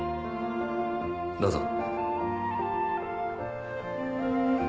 どうぞ。